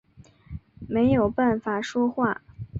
没有办法说话